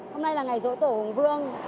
hôm nay là ngày dỗ tổ hùng vương